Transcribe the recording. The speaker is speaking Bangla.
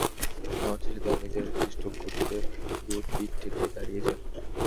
নামাজ শেষে তারা নিজেরাই নির্দিষ্ট খুঁটিতে গিয়ে পিঠ ঠেকিয়ে দাড়িয়ে যান।